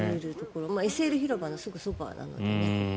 ＳＬ広場のすぐそばなので。